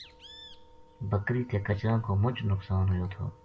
بکری تے کچراں کو مُچ نقصان ہویو تھو